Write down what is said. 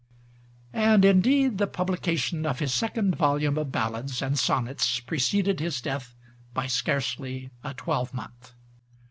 And indeed the publication of his second volume of Ballads and Sonnets preceded his death by scarcely a twelvemonth.